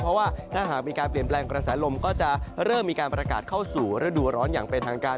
เพราะว่าถ้าหากมีการเปลี่ยนแปลงกระแสลมก็จะเริ่มมีการประกาศเข้าสู่ฤดูร้อนอย่างเป็นทางการ